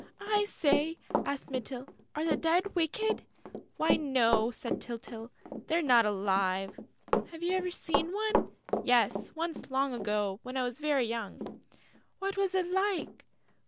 "I say," asked Mytyl, "are the Dead wicked?" "Why, no," said Tyltyl, "they're not alive!..." "Have you ever seen one?" "Yes, once, long ago, when I was very young...." "What was it like?"